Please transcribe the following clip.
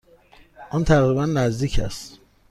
آن تقریبا نزدیک است.